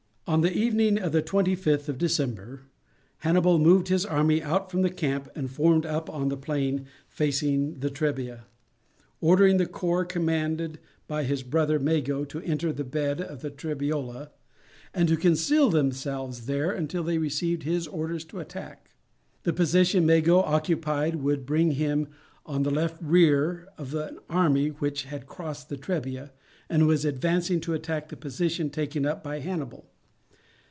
On the evening of the twenty fifth of December Hannibal moved his army out from the camp and formed up on the plain facing the Trebia, ordering the corps commanded by his brother Mago to enter the bed of the Trebiola, and to conceal themselves there until they received his orders to attack. The position Mago occupied would bring him on the left rear of an army which had crossed the Trebia, and was advancing to attack the position taken up by Hannibal.